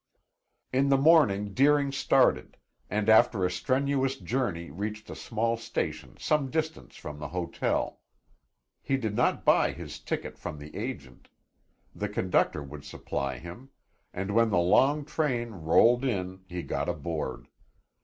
In the morning Deering started, and after a strenuous journey reached a small station some distance from the hotel. He did not buy his ticket from the agent; the conductor would supply him, and when the long train rolled in he got aboard.